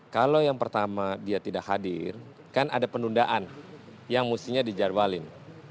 kalau yang pertama dia tidak hadir kan ada penundaan yang mestinya dijadwalin